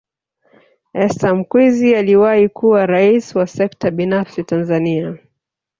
Esther Mkwizu aliwahi kuwa Rais wa Sekta Binafsi Tanzania